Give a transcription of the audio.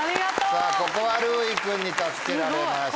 さぁここはるうい君に助けられました。